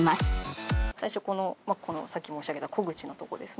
最初このさっき申し上げた小口のとこですね。